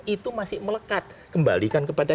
itu masih melekat kembalikan kepada